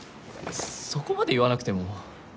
そこまで言わなくても。